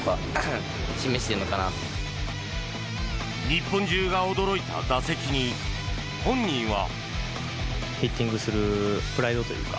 日本中が驚いた打席に本人は。